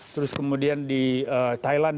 terus kemudian di thailand